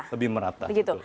lebih merata gitu